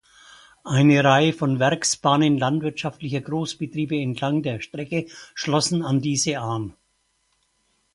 Eine Reihe von Werksbahnen landwirtschaftlicher Großbetriebe entlang der Strecke schlossen an diese an.